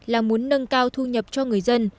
là muốn nâng cao thu nhập cho người dân